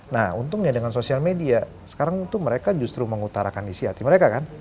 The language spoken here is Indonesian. nah untungnya dengan sosial media sekarang itu mereka justru mengutarakan isi hati mereka kan